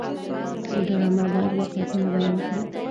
ډرامه باید واقعیتونه بیان کړي